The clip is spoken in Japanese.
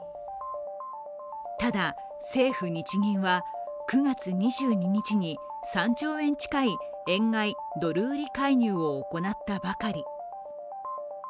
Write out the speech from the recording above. ただ政府・日銀は９月２２日に３兆円近い円買い・ドル売り介入を行ったばかり。